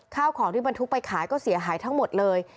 ข้าวของที่บรรทุกไปขายก็เสียหายทั้งหมดเลย